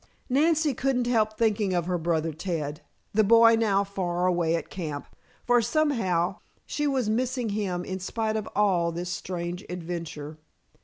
Nancy couldn't help thinking of her brother Ted, the boy now far away at camp, for, somehow, she was missing him in spite of all this strange adventure.